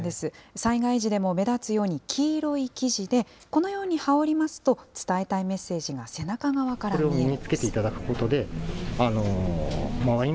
災害時でも目立つように黄色い生地で、このように羽織りますと、伝えたいメッセージが背中側から見えます。